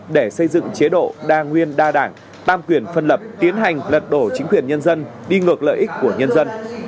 để xây dựng chế độ đa nguyên đa đảng tam quyền phân lập tiến hành lật đổ chính quyền nhân dân đi ngược lợi ích của nhân dân